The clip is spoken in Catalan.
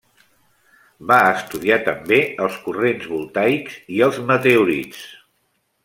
Va estudiar també els corrents voltaics i els meteorits.